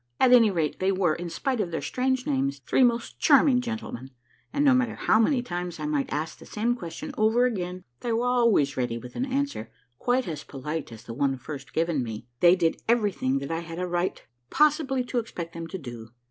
At any rate, they were, in spite of their strange names, three most charming gentlemen ; and no matter how many times I might ask the same question over again, they were always ready with an answer quite as polite as the one first given me. They did everything that I had a right possibly to expect them to do.